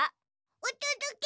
おとどけ！